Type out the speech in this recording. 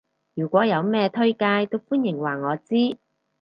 如果有咩推介都歡迎話我知